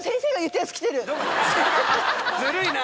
ずるいな。